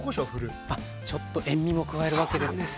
あっちょっと塩みも加えるわけですね。